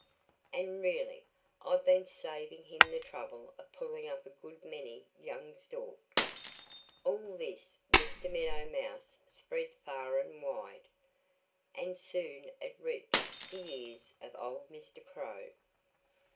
And really I've been saving him the trouble of pulling up a good many young stalks." All this Mr. Meadow Mouse spread far and wide. And soon it reached the ears of old Mr. Crow.